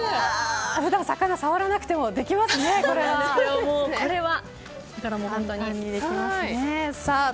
普段、魚を触らなくてもできますね、これは。